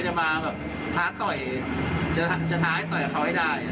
จะมาถ้าต่อยเค้าให้ได้